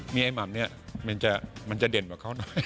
มีไอ้มัมน่ะมันจะเด่นอย่างเขา